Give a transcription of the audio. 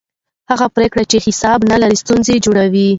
هغه پرېکړې چې حساب نه لري ستونزې جوړوي